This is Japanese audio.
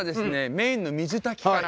メインの水炊きから。